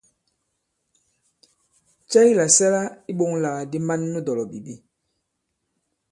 Cɛ ki làsɛla iɓoŋlàgàdi man nu dɔ̀lɔ̀bìbi ?